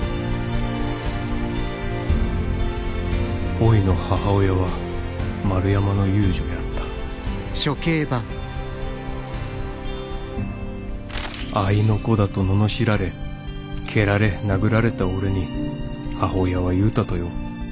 おいの母親は丸山の遊女やった合いの子だと罵られ蹴られ殴られた俺に母親は言うたとよ。